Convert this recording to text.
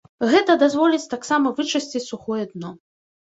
Гэта дазволіць таксама вычысціць сухое дно.